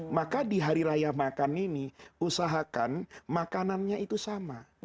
maka di hari raya makan ini usahakan makanannya itu sama